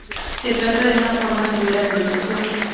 Se trata de una forma severa de depresión.